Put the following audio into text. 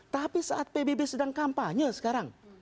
tapi saat pbb sedang kampanye sekarang